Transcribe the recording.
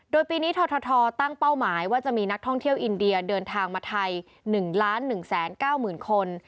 โดยปีนี้ททตั้งเป้าหมายว่าจะมีนักท่องเที่ยวอินเดียเดินทางมาไทย๑๑๙๐๐คน